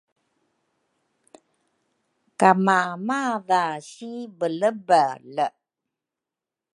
kamamadha si belebele